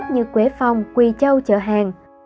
như quế phong quy châu chở hàng